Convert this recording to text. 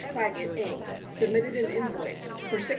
Clagett, Inc., submitted an invoice for $6,508.